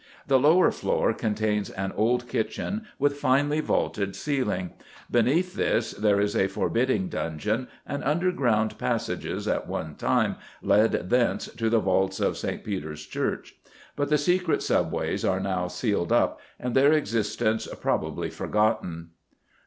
The lower floor contains an old kitchen with finely vaulted ceiling; beneath this there is a forbidding dungeon, and underground passages at one time led thence to the vaults of St. Peter's Church. But the secret subways are now sealed up and their existence probably forgotten.